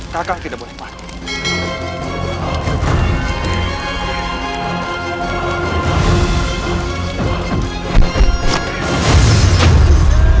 kakak tidak boleh mati